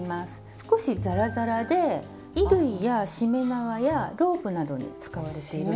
少しザラザラで衣類やしめ縄やロープなどに使われているんですよ。